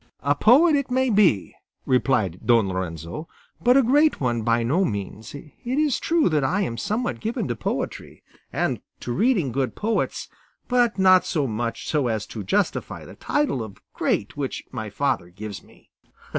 "A poet, it may be," replied Don Lorenzo, "but a great one, by no means. It is true that I am somewhat given to poetry and to reading good poets, but not so much so as to justify the title of 'great' which my father gives me."